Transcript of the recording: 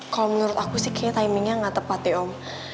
kalau menurut aku sih kayaknya timingnya nggak tepat ya om